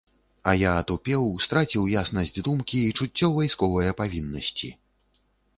А я атупеў, страціў яснасць думкі і чуццё вайсковае павіннасці.